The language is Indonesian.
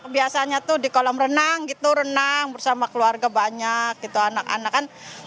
biasanya tuh di kolam renang gitu renang bersama keluarga banyak gitu anak anak kan